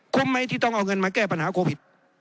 ไหมที่ต้องเอาเงินมาแก้ปัญหาโควิด